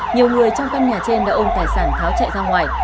nhiều người trong căn nhà trên đã ôm tài sản tháo chạy ra ngoài